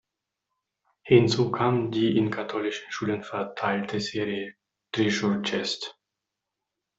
Hinzu kam die in katholischen Schulen verteilte Serie "Treasure Chest".